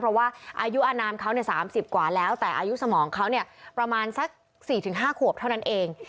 เพราะว่าอายุอนามเขา๓๐กว่าแล้วแต่อายุสมองเขาเนี่ยประมาณสัก๔๕ขวบเท่านั้นเอง